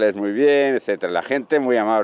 những bức tường mục nát